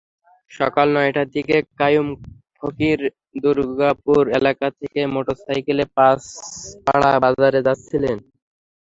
সকাল নয়টার দিকে কাইয়ুম ফকির দুর্গাপুর এলাকা থেকে মোটরসাইকেলে পাঁচপাড়া বাজারে যাচ্ছিলেন।